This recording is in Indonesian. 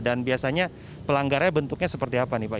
dan biasanya pelanggaran bentuknya seperti apa nih pak